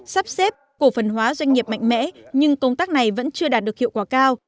sắp xếp cổ phần hóa doanh nghiệp mạnh mẽ nhưng công tác này vẫn chưa đạt được hiệu quả cao